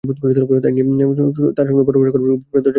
তাই নিয়ে তাঁর সঙ্গে পরামর্শ করবার অভিপ্রায়ে দরজায় ঘা দিলুম।